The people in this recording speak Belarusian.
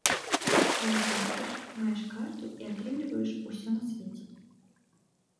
Калі плаціш, маеш карту і атрымліваеш усё на свеце!